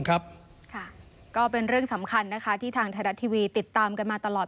ค่ะก็เป็นเรื่องสำคัญนะคะที่ทางไทยรัฐทีวีติดตามกันมาตลอด